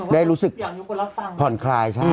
เรียนรู้สึกผ่อนคลาย